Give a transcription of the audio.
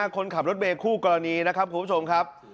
คนขับรถเมย์คู่กรณีนะครับคุณผู้ชมครับ